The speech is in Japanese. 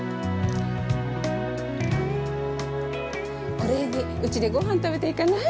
◆お礼にうちでごはん食べていかない？